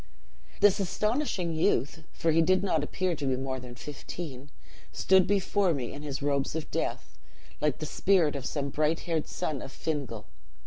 "This astonishing youth (for he did not appear to be more than fifteen) stood before me in his robes of death, like the spirit of some bright haired son of Fingal.